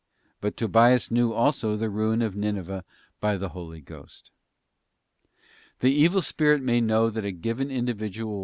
But Tobias knew also the ruin of Ninive by the Holy Ghost. The evil spirit may know that a given individual will die * Judith xi, 12.